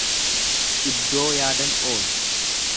lddoo yaadan oolu.